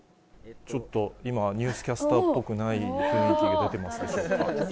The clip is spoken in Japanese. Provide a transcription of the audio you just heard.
ちょっと今、ニュースキャスターっぽくない雰囲気出てますでしょうか。